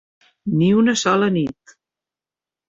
Ni una sola nit.